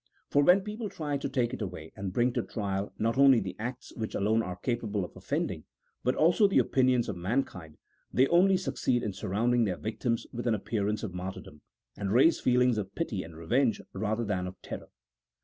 For when people try to take it away, and bring to trial, not only the acts which alone are capable of offending, but also the opinions of mankind, they only succeed in sur rounding their victims with an appearance of martyrdom, and raise f eelings of pity and revenge rather than of terror.